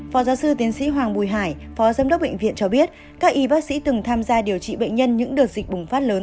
phó giáo sư tiến sĩ hoàng bùi hải phó giám đốc bệnh viện cho biết các y bác sĩ từng tham gia điều trị bệnh nhân những đợt dịch bùng phát lớn